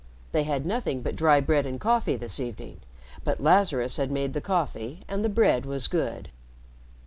They had nothing but dry bread and coffee this evening, but Lazarus had made the coffee and the bread was good.